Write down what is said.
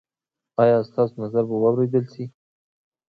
ایا ستاسو نظر به واوریدل شي؟